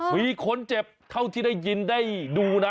มีคนเจ็บเท่าที่ได้ยินได้ดูนะ